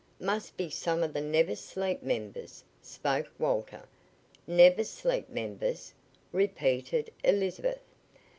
"Must be some of the Never Sleep members," spoke Walter. "Never Sleep members?" repeated Elizabeth.